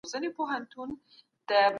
د ذمي احترام د اسلام برخه ده.